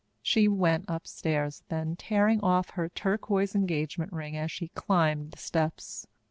She went upstairs then, tearing off her turquoise engagement ring as she climbed the steps.